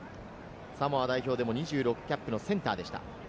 サモア代表でも２６キャップのセンターでした。